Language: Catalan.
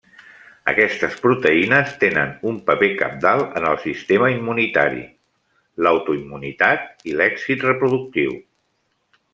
Aquestes proteïnes tenen un paper cabdal en el sistema immunitari, l'autoimmunitat i l'èxit reproductiu.